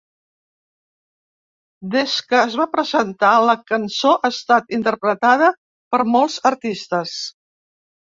Des que es va presentar, la cançó ha estat interpretada per molts artistes.